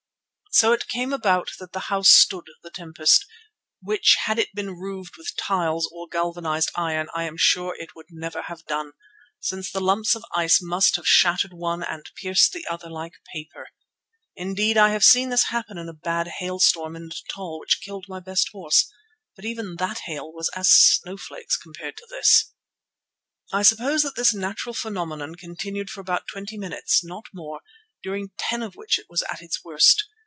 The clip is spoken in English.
So it came about that the house stood the tempest, which had it been roofed with tiles or galvanized iron I am sure it would never have done, since the lumps of ice must have shattered one and pierced the other like paper. Indeed I have seen this happen in a bad hailstorm in Natal which killed my best horse. But even that hail was as snowflakes compared to this. I suppose that this natural phenomenon continued for about twenty minutes, not more, during ten of which it was at its worst.